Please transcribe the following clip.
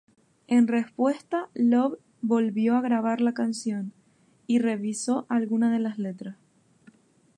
En respuesta, Love volvió a grabar la canción y revisó algunas de las letras.